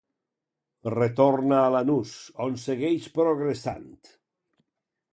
Retorna a Lanús, on segueix progressant.